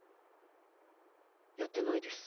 やってないです。